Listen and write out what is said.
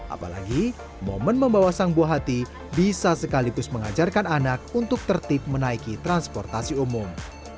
apalagi momen membawa sang buah hati bisa sekaligus mengajarkan anak untuk tertip menaiki transportasi umum